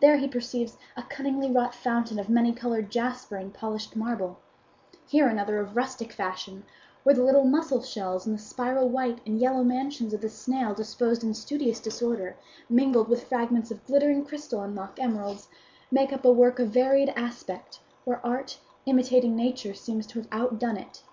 There he perceives a cunningly wrought fountain of many coloured jasper and polished marble; here another of rustic fashion where the little mussel shells and the spiral white and yellow mansions of the snail disposed in studious disorder, mingled with fragments of glittering crystal and mock emeralds, make up a work of varied aspect, where art, imitating nature, seems to have outdone it.